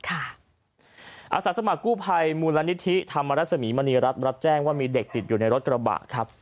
อาสาสมัครกู้ภัยมูลนิธิธรรมรสมีมณีรัฐรับแจ้งว่ามีเด็กติดอยู่ในรถกระบะครับ